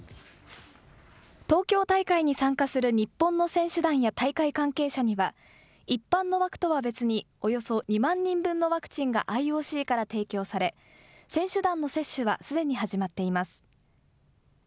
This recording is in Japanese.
東京大会に参加する日本の選手団や大会関係者には、一般の枠とは別に、およそ２万人分のワクチンがＩＯＣから提供され、選手団の接種はすでに始まっています。